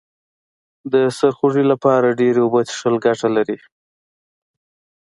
د سرخوږي لپاره ډیرې اوبه څښل گټه لري